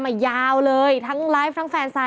อยู่มายาวเลยทั้งไลฟ์ทั้งแฟนไซน์